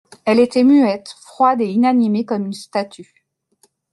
Elle était muette, froide et inanimée comme une statue.